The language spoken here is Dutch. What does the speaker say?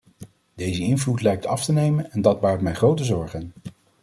Deze invloed lijkt af te nemen en dat baart mij grote zorgen.